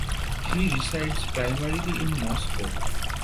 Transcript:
He resides primarily in Moscow.